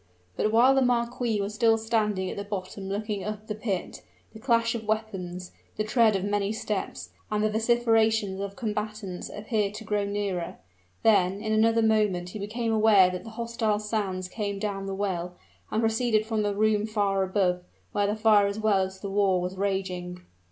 But while the marquis was still standing at the bottom looking up the pit, the clash of weapons, the tread of many steps, and the vociferations of combatants appeared to grow nearer; then in another moment he became aware that the hostile sounds came down the well, and proceeded from the room far above, where the fire as well as the war was raging.